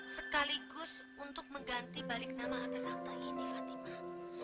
sekaligus untuk mengganti balik nama atas akta ini fatimah